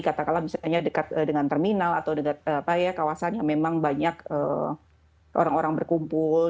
katakanlah misalnya dekat dengan terminal atau dekat kawasan yang memang banyak orang orang berkumpul